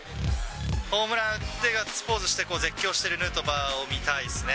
ホームラン打って、ガッツポーズして、絶叫してるヌートバーを見たいですね。